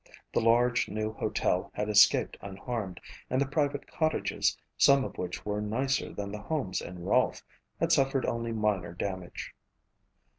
The large, new hotel had escaped unharmed and the private cottages, some of which were nicer than the homes in Rolfe, had suffered only minor damage.